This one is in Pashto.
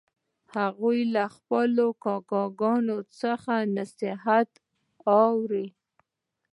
هغوی له خپلو کاکاګانو څخه نصیحت اوري